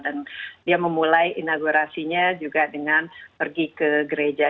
dia memulai inaugurasinya juga dengan pergi ke gereja